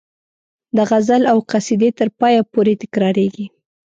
د غزل او قصیدې تر پایه پورې تکراریږي.